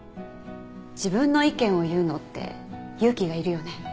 自分の意見を言うのって勇気がいるよね。